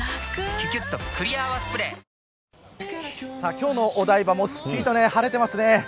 今日のお台場もすっきりと晴れていますね。